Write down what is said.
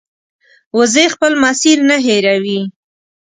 وزې خپل مسیر نه هېروي